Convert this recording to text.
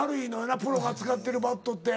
プロが使ってるバットって。